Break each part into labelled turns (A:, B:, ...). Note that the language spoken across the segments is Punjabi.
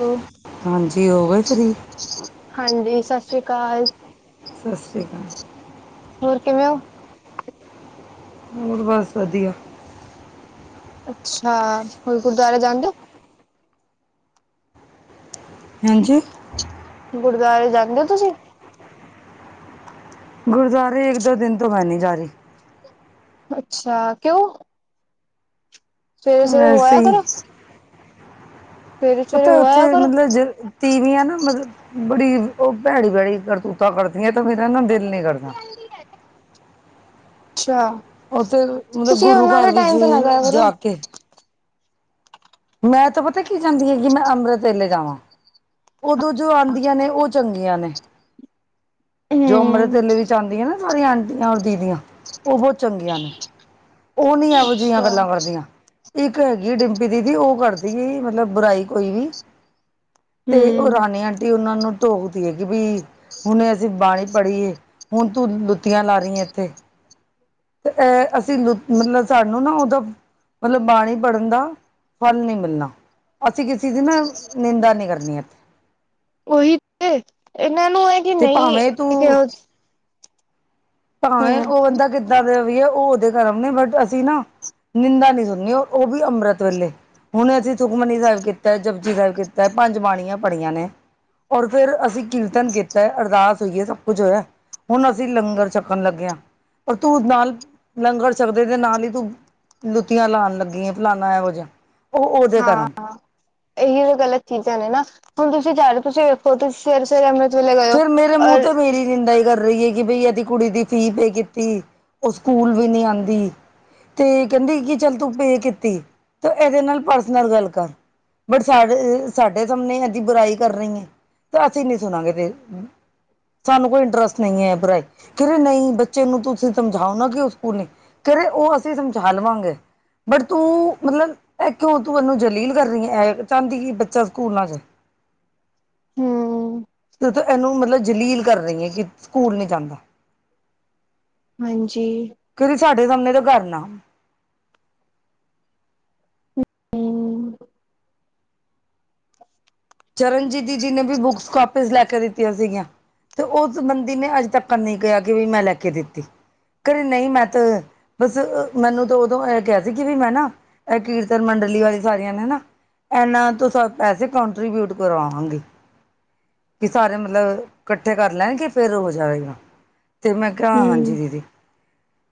A: ਹੈਲੋ
B: ਹਾਂਜੀ ਹੋ ਗਏ ਫਰੀ?
A: ਹਾਂਜੀ ਸਸ ਸ੍ਰੀ ਕਾਲ।
B: ਸਸ ਸ਼੍ਰੀ ਕਾਲ।
A: ਹੋਰ ਕਿਵੇਂ ਓ?
B: ਹੋਰ ਬਸ ਵਧੀਆ।
A: ਅੱਛਾ, ਹੋਰ ਗੁਰਦੁਆਰਾ ਜਾਂਦੇ ਓ?
B: ਹੈਜੀ?
A: ਗੁਰਦੁਆਰੇ ਜਾਂਦੇ ਓ ਤੁਸੀਂ?
B: ਗੁਰਦੁਆਰੇ ਇੱਕ- ਦੋ ਦਿਨ ਤੋਂ ਮੈਂ ਨੀ ਜਾ ਰਹੀ।
A: ਅੱਛਾ, ਕਿਉਂ? ਸਵੇਰ-ਸਵੇਰੇ ਹੋ ਆਯਾ
B: ਵੈਸੇ ਹੀ
A: ਕਰੋ। ਸਵੇਰੇ ਸਵੇਰੇ
B: ਪਤਾ
A: ਹੋ ਆਇਆ
B: ਓਥੇ
A: ਕਰੋ।
B: ਮਤਲਬ ਜ ਤੀਵੀਆਂ ਨਾ ਮਤਲਬ ਬੜੀ ਓ ਪੈੜੀ-ਪੈੜੀ ਕਰਤੂਤਾਂ ਕਰਦੀਆਂ ਤਾਂ ਮੇਰਾ ਨਾ ਦਿਲ ਨੀ ਕਰਦਾ।
A: ਅੱਛਾ।
B: ਓਥੇ ਮਤਲਬ
A: ਤੁਸੀਂ
B: ਗੁਰੂ
A: ਉਹਨਾਂ
B: ਘੱਰ
A: ਦੇ
B: ਵਿੱਚ
A: ਟਾਈਮ ਤੇ ਨਾ ਜਾਇਆ ਕਰੋ
B: ਜਾ ਕੇ। ਮੈਂ ਤਾਂ ਪਤਾ ਕੀ ਚਾਂਦੀ ਹੈਗੀ ਮੈਂ ਅੰਮ੍ਰਿਤ ਵੇਲੇ ਜਾਵਾਂ। ਓਦੋਂ ਜੋ ਆਂਦੀਆਂ ਨੇ ਓ ਚੰਗੀਆਂ ਨੇ। ਜੋ ਅੰਮ੍ਰਿਤ
A: ਹੂੰ
B: ਵੇਲੇ ਵਿੱਚ ਆਂਦੀਆਂ ਨਾ ਸਾਰੀਆਂ ਆਂਟੀਆਂ ਔਰ ਦੀਦੀਆਂ ਓ ਬੋ ਚੰਗੀਆਂ ਨੇ। ਓ ਨੀ ਐਹੋ ਜੀਆਂ
A: ਅੱਛਾ
B: ਗੱਲਾਂ ਕਰਦੀਆਂ। ਇੱਕ ਹੈਗੀ ਡਿੰਪੀ ਦੀਦੀ ਓ ਕਰਦੀ ਏ ਮਤਲਬ ਬੁਰਾਈ ਕੋਈ ਵੀ ਤੇ ਓ
A: ਹੂੰ
B: ਰਾਣੀ ਆਂਟੀ ਉਨਾਂ ਨੂੰ ਟੋਕਦੀ ਹੈਗੀ ਬੀ ਹੁਣੇ ਅਸੀਂ ਬਾਣੀ ਪੜ੍ਹੀ ਏ ਹੁਣ ਤੂੰ ਲੁੱਤੀਆਂ ਲਾ ਰੀਐ ਐੱਥੇ। ਤੇ ਅ ਅਸੀਂ ਲੁ ਮਤਲਬ ਸਾਨੂੰ ਨਾ ਉਦਾ ਮਤਲਬ ਬਾਣੀ ਪੜਨ ਦਾ ਫਲ ਨੀ ਮਿਲਣਾ। ਅਸੀਂ ਕਿਸੀ ਦੀ ਨਾ ਨਿੰਦਾ ਨੀ ਕਰਨੀ ਐ
A: ਓਈ ਤੇ ਏਨਾਂ ਨੂੰ ਐ ਕੀ
B: ਤੇ
A: ਨਈ
B: ਭਾਵੇਂ
A: ਇੱਕ
B: ਤੂੰ
A: ਰੋਜ
B: ਭਾਵੇਂ ਓ ਬੰਦਾ ਕਿੱਦਾਂ ਦਾ ਵੀ‌ ਏ ਓ ਓਦੇ ਕਰਮ ਨੇ ਬਟ ਅਸੀਂ ਨਾ ਨਿੰਦਾ ਨੀ ਸੁਣਨੀ ਓ ਵੀ ਅੰਮ੍ਰਿਤ ਵੇਲੇ। ਹੁਣ ਅਸੀਂ ਸੁਖਮਨੀ ਸੈਬ ਕੀਤੈ, ਜਪਜੀ ਸਾਇਬ ਕੀਤੈ, ਪੰਜ ਬਾਣੀਆਂ ਪੜੀਆਂ ਨੇ ਔਰ ਫੇਰ ਅਸੀਂ ਕੀਰਤਨ ਕੀਤਾ ਅਰਦਾਸ ਹੋਈਏ ਸਭ ਕੁੱਛ ਹੋਇਆ ਹੁਣ ਅਸੀਂ ਲੰਗਰ ਛੱ ਕਣ‌ ਲੱਗੇ ਆ ਔਰ‌ ਤੂੰ ਨਾਲ ਲੰਗਰ ਛਕਦੇ ਤੇ ਨਾਲ ਹੀ ਤੂੰ ਲੁਤੀਆ ਲਾਣ ਲੱਗੀ ਏ ਫਲਾਣਾ ਐਹੋ ਜੇਹਾ।
A: ਹਾਂ-ਹਾਂ ਏਹੀਓ ਗਲਤ ਚੀਜ਼ਾਂ ਨੇ ਨਾ ਹੁਣ ਤੁਸੀਂ ਜਾਰੇ ਤੁਸੀਂ ਵੇਖੋ ਤੁਸੀਂ ਫੇਰ ਸਵੇਰੇ ਅਮ੍ਰਿਤ ਵੇਲੇ ਗਏ। ਹੋ
B: ਫਿਰ ਮੇਰੇ ਮੂੰਹ
A: ਔਰ
B: ਤੇ ਮੇਰੀ ਨਿੰਦਾ ਈ ਕਰ ਰਈ ਐ ਕਿ ਬਈ ਏਦੀ ਕੁੜੀ ਦੀ ਫੀਸ ਪੇ ਕੀਤੀ, ਓ ਸਕੂਲ ਵੀ ਨੀ ਆਂਦੀ ਤੇ ਕੈੰਦੀ ਕੀ ਚਲ ਤੂੰ ਪੇ ਕੀਤੀ ਤੇ ਐਦੇ ਨਾਲ ਪਰਸਨਲ ਗੱਲ ਕਰ। ਸਾਡੇ ਸਾਹਮਣੇ ਐਦੀ ਬੁਰਾਈ ਕਰ ਰਈ ਏ ਤੇ‌ ਅਸੀ ਨਈ ਸੁਣਾਂਗੇ ਤੇਰੀ ਹਾਂ। ਸਾਨੂੰ ਕੋਈ ਇੰਟਰਸਟ ਨਈ ਐ ਬੁਰਾਈ ਕੈ ਰੇ ਨਈ ਬੱਚੇ ਨੂੰ ਤੁਸੀਂ ਸਮਝਾਓ ਨਾ ਕਿ ਓ‌ ਸਕੂਲ ਨਈ ਕੈ ਰੇ ਓ ਅਸੀਂ ਸਮਝਾ ਲਵਾਂਗੇ। ਬਟ ਤੂੰ ਮਤਲਬ ਐ ਕਿਉਂ ਤੂੰ ਐਨੂੰ ਜਲੀਲ ਕਰ ਰੀ‌ ਏ ਐ ਕਿ ਚਾਹੰਦੀ ਕਿ ਬੱਚਾ ਸਕੂਲ ਨਾ ਜਾਏ।
A: ਹੂੰ।
B: ਤੂੰ ਤੇ ਐਨੂੰ ਮਤਲਬ ਜਲੀਲ ਕਰ ਰਈ ਏ ਕਿ ਸਕੂਲ ਨੀ ਜਾਨਾ।
A: ਹਾਂਜੀ
B: ਕਦੀ ਸਾਡੇ ਸਾਮਣੇ ਤੇ ਕਰ ਨਾ।
A: ਹੂੰ
B: ਚਰਨਜੀਤ ਦੀਦੀ ਨੇ ਵੀ ਬੁੱਕਸ ਕਾਪਿਸ ਲੈ ਕੇ ਦਿੱਤੀਆਂ ਸੀਗੀਆਂ। ਤੇ ਉਸ ਬੰਦੀ ਨੇ ਅੱਜ ਤੱਕ ਨੀ ਕੇਆ ਕਿ ਵੀ ਮੈਂ ਲੈ ਕੇ ਦਿੱਤੀ ਘਰੇ ਨਈ ਮੈਂ ਤੇ ਬਸ, ਮੈਨੂੰ ਤਾਂ ਉਦੋਂ ਐ ਕੇਆ ਸੀ ਵੀ ਮੈਂ ਨਾ ਐ ਕੀਰਤਨ ਮੰਡਲੀ ਵਾਲੀ ਸਾਰੀਆਂ ਨੇ ਨਾ ਐਨਾਂ ਤੋਂ ਸ ਪੈਸੇ ਕਾਂਟ ਰੀਬਿਊਟ ਕਰਵਾਵਾਂਗੀ। ਕਿ ਸਾਰੇ ਮਤਲਬ ਕੱਠੇ ਕਰ ਲੈਣਗੇ ਫੇਰ ਹੋ ਜਾਵੇਗਾ। ਤੇ ਮੈਂ ਕੇਆ
A: ਹੂੰ
B: ਹਾਂਜੀ ਦੀਦੀ।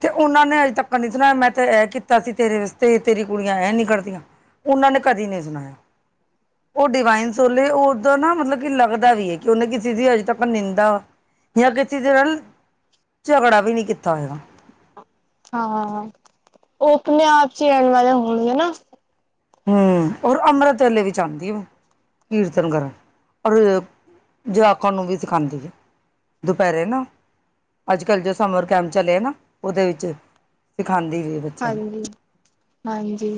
B: ਤੇ ਓਨਾਂ ਨੇ ਅੱਜ ਤੱਕ ਨੀ ਸੁਣਾਇਆ ਮੈਂ ਤੇ ਐ ਕੀਤਾ ਸੀ ਤੇਰੇ ਆਸਤੇ ਤੇ ਤੇਰੀ ਕੁੜੀਆਂ ਐ ਨੀ ਕਰਦੀਆਂ। ਓਨਾਂ ਨੇ ਕਦੀ ਨੀ ਸੁਣਾਯਾ ਓ ਡਿਵਾਈਨ ਸੋਲ ਏ ਉਦਾ ਨਾ ਮਤਲਬ ਕਿ ਲੱਗ ਤਾ ਵੀ ਏ ਕਿ ਉਨੇ ਕਿਸੇ ਦੀ ਅਜੇ ਤੱਕ ਨਿੰਦਾ, ਜਾਂ ਕਿਸੇ ਦੀ ਨਾਲ ਝਗੜਾ ਵੀ ਨਈ ਕੀਤਾ ਹੈਗਾ।
A: ਹਾਂ, ਉ ਆਪਣੇ ਆਪ ਚ ਈ ਰੈਣ ਵਾਲੇ ਹੋਣਗੇ ਨਾ।
B: ਹੂੰ ਔਰ ਅੰਮ੍ਰਿਤ ਵੇਲੇ ਵਿੱਚ ਆਂਦੀ ਆ। ਕੀਰਤਨ ਕਰਨ ਔਰ ਜਵਾਕਾਂ ਨੂੰ ਵੀ ਸਿਖਾਂਦੀ ਐ। ਦੁਪੈਰੇ ਨਾ। ਅੱਜ ਕੱਲ੍ਹ ਜੋ ਸਮਰ ਕੈਂਪ ਚਲੇ ਆ ਨਾ ੳਦੇ ਵਿੱਚ ਸਿਖਾਂਦੀ ਵੀ ਏ।
A: ਹਾਂਜੀ-ਹਾਂਜੀ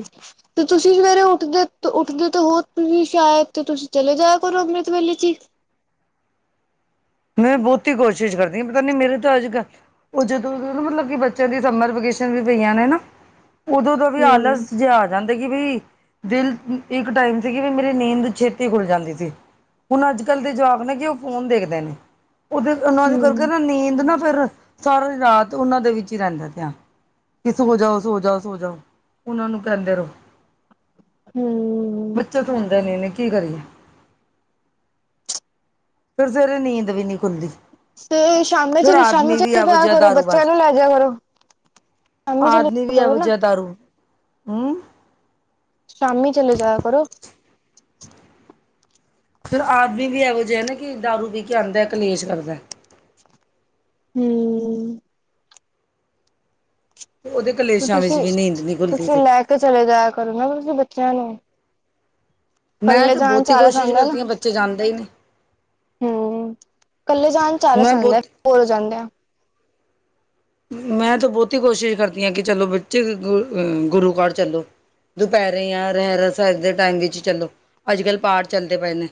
A: ਤੇ ਤੁਸੀਂ ਸਵੇਰੇ ਉੱਠਦੇ-ਉੱਠਦੇ ਤੇ ਹੋ ਸ਼ਾਇਦ ਤੇ ਤੁਸੀਂ ਚਲੇ ਜਾਇਆ ਕਰੋ ਅੰਮ੍ਰਿਤ ਵੇਲੇ ਚ ਈ।
B: ਮੈਂ ਬੋਤੀ ਕੋਸ਼ਿਸ਼ ਕਰਦੀ ਹਾਂ, ਪਤਾ ਨਈ ਮੇਰੇ ਤਾਂ ਅੱਜ ਕੱਲ੍ਹ ਉ ਜਦ ਮਤਲਬ ਕਿ ਬੱਚਿਆਂ ਦੀ ਸਮਰ ਵਕੇਸ਼ਨ ਵੀ ਪਈਆਂ ਨੇ ਨਾ ਉਦੋਂ ਤੋਂ ਵੀ
A: ਹਮ
B: ਆਲਸ ਜੇਹਾ ਜਾਂਦੇ ਕਿ ਵੀ ਦਿਲ ਇੱਕ ਟਾਈਮ ਸੀ ਕਿ ਵੀ ਮੇਰੀ ਨੀਂਦ ਛੇਤੀ ਖੁੱਲ ਜਾਂਦੀ ਸੀ। ਹੁਨ ਅੱਜ ਕੱਲ੍ਹ ਦੇ ਜਵਾਕ ਨੇ ਕਿ ਉ ਫੋਨ ਦੇਖਦੇ ਨੇ। ਉਦੇ ਉਨਾ ਦੇ
A: ਹਮ
B: ਕਰਕੇ ਨਾ ਨੀਂਦ ਨਾ ਫੇਰ ਸਾਰੀ ਰਾਤ ਉਨਾਂ ਦੇ ਵਿੱਚ ਈ ਰੈਂਦਾ ਤੇਆਨ। ਕਿ ਸੋ ਜਾੳ ਸੋ ਜਾੳ ਸੋ ਜਾਣ, ਉਨਾ ਨੂੰ ਕੈਂਦੇ ਰੳ।
A: ਹਮ
B: ਬੱਚੇ ਤੇ ਸੁਂਦੇ ਨੀ ਇਨ ਕੀ ਕਰੀਏ ਫੇਰ ਸਵੇਰੇ ਨੀਂਦ ਵੀ ਨੀ ਖੁੱਲਦੀ।
A: ਤੇ ਸ਼ਾਮ ਚ
B: ਫਿਰ ਆਦਮੀ
A: ਸ਼ਾਮੀ
B: ਵੀ
A: ਚਲ
B: ਇਹੋ
A: ਜਾਆ
B: ਜਿਹਾ
A: ਕਰੋ, ਬੱਚਿਆਂ
B: ਦਾਰੂਬਾਜ਼
A: ਨੂੰ ਲੈ ਜਾਆ ਕਰੋ। ਸ਼ਾਮੀ ਚਲੇ
B: ਆਦਮੀ
A: ਜਾਇਆ
B: ਵੀ
A: ਕਰੋ
B: ਏਵੋ
A: ਨਾ
B: ਜਿਆ ਦਾਰੂ ਹੂੰ
A: ਸ਼ਾਮੀ ਚਲੇ ਜਾਆ ਕਰੋ।
B: ਫੇਰ ਆਦਮੀ ਵੀ ਏਵੋ ਜਿਆ ਨਾ ਕਿ ਦਾਰੂ ਪੀ ਕੇ ਆਂਦੈ ਕਲੇਸ਼ ਕਰਦੈ।
A: ਹੂੰ
B: ਉਦੇ
A: ਤੇ
B: ਕਲੇਸ਼ਾਂ ਵਿੱਚ
A: ਤੁਸੀਂ
B: ਵੀ ਨੀਂਦ ਨ ਖੁਲਦੀ
A: ਤੁਸੀਂ
B: ਸੀ।
A: ਲੈ ਚਲੇ ਜਾਆ ਕਰੋ ਨਾ ਤੁਸੀਂ ਬੱਚਿਆਂ ਨੂੰ।
B: ਮੈਂ
A: ਕੱਲੇ
B: ਤੇ
A: ਜਾਣ ਚ
B: ਬਹੁਤੀ
A: ਆਲਸ
B: ਕੋਸ਼ਿਸ਼
A: ਆਉਂਦਾ
B: ਕਰਦੀ ਆਂ, ਬੱਚੇ ਜਾਂਦੇ ਈ ਨਈ।
A: ਹੂੰ, ਕੱਲੇ ਜਾਣ ਚ ਆਲਸ
B: ਮੈਂ
A: ਆਂਦੈ
B: ਬਹੁਤ
A: ਬੋਰ ਹੋ ਜਾਂਦੇ ਆ
B: ਮੈਂ ਤਾਂ ਬਹੁਤੀ ਕੋਸ਼ਿਸ਼ ਕਰਦੀ ਆਂ ਕਿ ਚਲੋ ਬੱਚੇ ਗੁਰੂ ਕਾਰ ਚੱਲੋ ਦੁਪੈਰੇ ਯਾਂ ਰਹਿਰਾਸ ਸਾਹਿਬ ਦੇ ਟਾਈਮ ਵਿੱਚ ਈ ਚਲੋ, ਅੱਜ ਕੱਲ੍ਹ ਪਾਠ ਚੱਲਦੇ ਪਏ ਨੇ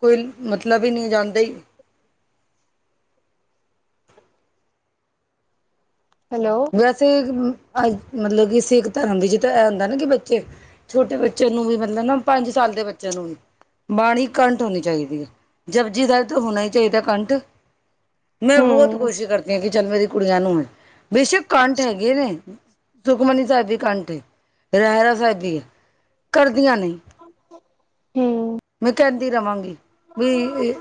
B: ਕੋਈ ਮਤਲਬ ਈ ਨਈ ਜਾਂਦੇ ਈ।
A: ਹੈਲੋ।
B: ਵੈਸੇ ਅਜ ਮਤਲਬ ਕਿ ਸਿੱਖ ਧਰਮ ਦੇ ਵਿਚ ਐ ਹੁੰਦਾ ਨਾ ਕਿ ਬੱਚੇ ਛੋਟੇ ਬੱਚੇ ਬੱਚੇ ਨੂੰ ਵੀ ਮਤਲਬ ਨਾ ਪੰਜ ਸਾਲ ਦੇ ਬੱਚੇ ਨੂੰ ਵੀ। ਬਾਣੀ ਕੰਟ ਹੋਨੀ ਚਾਈਦੀ ਏ, ਜਪਜੀ ਸੈਬ ਤੇ ਹੋਨਾ ਈ ਚਾਈਦਾ ਕੰਟ। ਮੈਂ ਬੋਤ
A: ਹਮ
B: ਕੋਸ਼ਿਸ਼ ਕਰਦੀ ਹਾਂ ਕਿ ਚਲ ਮੇਰੀ ਕੁੜੀਆਂ ਨੂੰ ਹੈ। ਬੇਸ਼ੱਕ ਕੰਠ ਹੈਗੇ ਨੇ, ਸੁਖਮਨੀ ਸਾਹਿਬ ਵੀ ਕੰਠ ਏ। ਰਹਰਾਸ ਸਾਹਿਬ ਬੀ ਐ, ਕਰਦੀਆਂ ਨਈ।
A: ਹਾਂ [inaudible]
B: ਮੈਂ ਕੈਂਦੀ ਰਵਾਂਗੀ। ਵੀ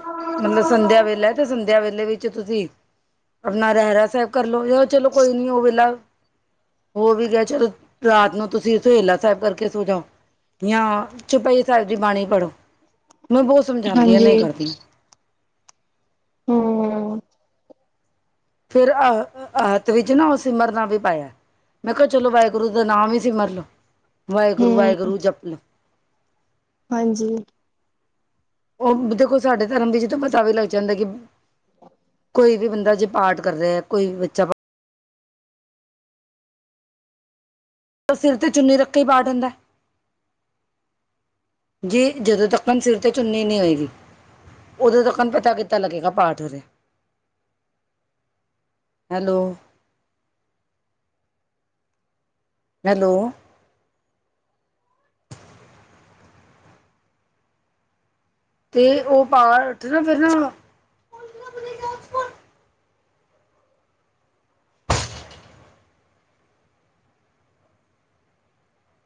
B: ਮਤਲਬ ਸੰਧਿਆ ਵੇਲਾ ਏ, ਤੇ ਸੰਧਿਆ ਵੇਲੇ ਵਿ ਚ ਤੁਸੀਂ। ਆਪਨਾ ਰਹਿਰਾਸ ਸਾਹਿਬ ਕਰਲੋ ਯਾ ਚਲੋ ਕੋਈ ਨੀ ਉ ਵੇਲਾ ਹੋ ਵੀ ਗਿਆ ਚਲੋ ਰਾਤ ਨੂੰ ਤੁਸੀਂ ਸਸਹੇਲਾ ਸਾਹਿਬ ਕਰਕੇ ਸੋ ਜਾਓ ਯਾਂ ਚੋਪਈ ਸੈਬ ਦੀ ਬਾਣੀ ਪੜ੍ਹੋ, ਮੈ ਬੋਤ ਸਮਝਾਦੀ ਆਂ ਨਈ
A: ਹਾਂਜੀ,
B: ਕਰਦੀਆਂ।
A: ਹੂੰ
B: ਫੇਰ ਆ ਹਾਥ ਵਿੱਚ ਨਾ ਉ ਸਿਮਰਨਾ ਵੀ ਪਾਇਐ। ਮੈਂ ਕਿਹਾ ਚਲੋ ਵਾਹਿਗੁਰੂ ਦਾ ਨਾਮ ਹੀ ਸਿਮਰਲੋ, ਵਾਹਿਗੁਰੂ,
A: ਹੂੰ,
B: ਵਾਹਿਗੁਰੂ ਜਪ ਲੋ।
A: ਹਾਂਜੀ।
B: ਉਹ ਦੇਖੋ ਸਾਡੇ ਧਰਮ ਦੀ ਜਿਥੋ ਪਤਾ ਵੀ ਲੱਗ ਜਾਂਦਾ ਕਿ ਕੋਈ ਵੀ ਬੰਦਾ ਜੇ ਪਾਠ ਕਰ ਰਿਹਾ, ਕੋਈ ਵੀ ਬੱਚਾ ਸਿਰ ਤੇ ਚੁੰਨੀ ਰੱਖੇ ਹੀ ਬਾਠ ਹਿੰਦਾ। ਜੀ ਜਦੋਂ ਤੱਕਨ ਸਿਰ ਤੇ ਚੁੰਨੀ ਨਹੀਂ ਹੋਏਗੀ। ਉਦੋਂ ਤੱਕਨ ਪਤਾ ਕਿਤਾ ਲੱਗੇਗਾ ਪਾਠ ਉਰੇ ਹੈਲੋ ਹੈਲੋ ਤੇ ਉਹ ਪਾਠ ਨਾ ਫਿਰ ਨਾ